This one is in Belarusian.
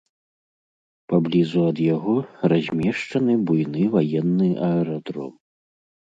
Паблізу ад яго размешчаны буйны ваенны аэрадром.